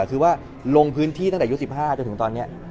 คือว่าลงพื้นที่ตั้งแต่ยูสิบห้าจนถึงตอนเนี้ย